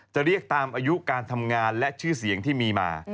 จะเรียกตามอายุการทำงานและชื่อเสียงที่มีมา